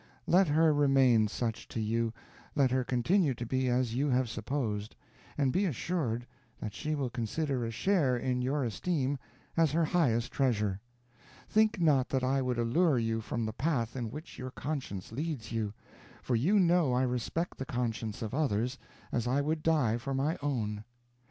Let her remain such to you, let her continue to be as you have supposed, and be assured that she will consider a share in your esteem as her highest treasure. Think not that I would allure you from the path in which your conscience leads you; for you know I respect the conscience of others, as I would die for my own.